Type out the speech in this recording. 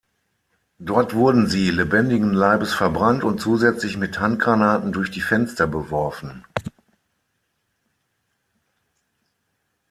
Dort wurden sie lebendigen Leibes verbrannt und zusätzlich mit Handgranaten durch die Fenster beworfen.